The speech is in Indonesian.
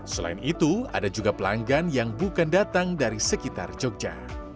selain itu ada juga pelanggan yang bukan datang dari sekitar jogja